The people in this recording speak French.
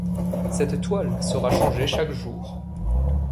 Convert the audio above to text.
Cette toile sera changée chaque jour.